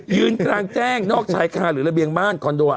ยืนกลางแจ้งนอกชายคาหรือระเบียงบ้านคอนโด